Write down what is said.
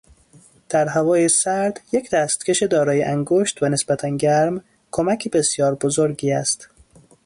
در هوای سرد یک دستکش دارای انگشت و نسبتا گرم، کمک بسیار بزرگی است.